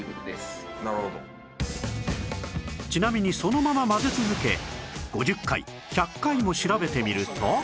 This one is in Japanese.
ちなみにそのまま混ぜ続け５０回１００回も調べてみると